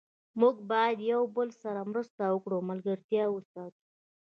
موږ باید یو بل سره مرسته وکړو او ملګرتیا وساتو